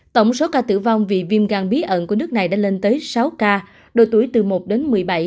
tổng số ca tử vong vì viêm gan bí ẩn của nước này đã lên tới sáu ca độ tuổi từ một đến một mươi bảy